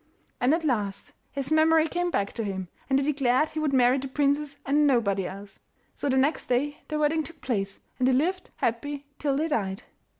And at last his memory came back to him, and he declared he would marry the princess and nobody else. So the next day the wedding took place, and they lived happy till they died.